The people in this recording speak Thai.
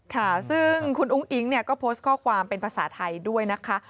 ค่ะซึ่งคุณอุ้งอิ๊งเนี่ยก็โพสต์ข้อความเป็นภาษาไทยด้วยนะคะ